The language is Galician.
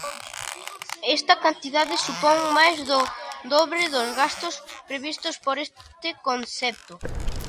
Esta cantidade supón máis do dobre dos gastos previstos por este concepto.